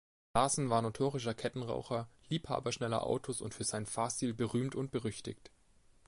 Larsen war notorischer Kettenraucher, Liebhaber schneller Autos und für seinen Fahrstil berühmt und berüchtigt.